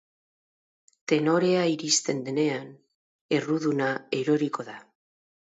Tenorea iristen denean, erruduna eroriko da.